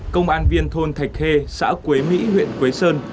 công an viên thôn thạch khê xã quế mỹ huyện quế sơn